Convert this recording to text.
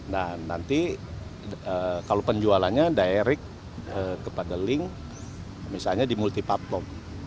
nah nanti kalau penjualannya daerik kepada link misalnya di multipart shop